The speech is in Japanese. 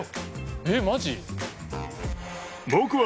えっマジ？